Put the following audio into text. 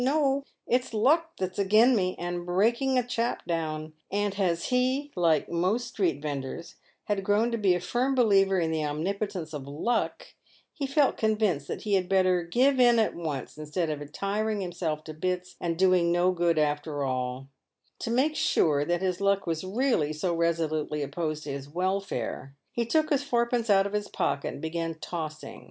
" No, it's luck that's agin me, and is breaking a chap down ;" and as he, like most street vendors, had grown to be a firm believer in the omnipotence of " luck," he felt convinced that he had better " give in at once, instead of tiring himself to bits and doing no good after all I" To make sure that his luck was really so resolutely opposed to his welfare, he took his fourpence out of his pocket and began tossing.